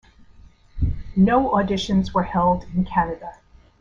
No auditions were held in Canada.